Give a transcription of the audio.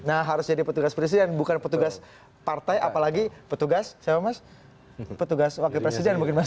nah harus jadi petugas presiden bukan petugas partai apalagi petugas siapa mas petugas wakil presiden mungkin mas